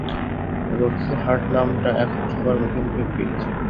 Roxie Hart নামটা এখন সবার মুখে মুখে ফিরছে।